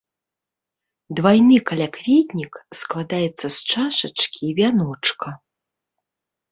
Двайны калякветнік складаецца з чашачкі і вяночка.